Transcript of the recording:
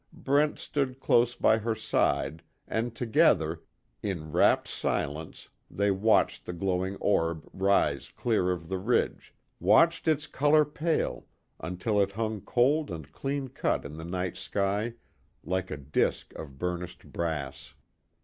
Brent stood close by her side, and together, in wrapt silence they watched the glowing orb rise clear of the ridge, watched its color pale until it hung cold and clean cut in the night sky like a disk of burnished brass.